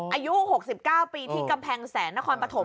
อายุ๖๙ปีที่กำแพงแสนนครปฐม